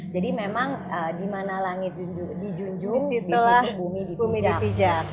jadi memang di mana langit dijunjung di bumi ditijak